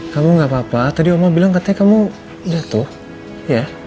kamu gak apa apa tadi oma bilang katanya kamu jatuh ya